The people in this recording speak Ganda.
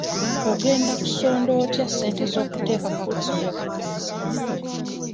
Ogenda kusonda otya ssente z'okuteekako akasolya ku kkanisa